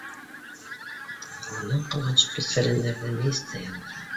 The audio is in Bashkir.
Ә унан ҡалған шприц-фәләндәрҙе мейестә яндыра.